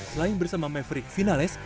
selain bersama maverick finales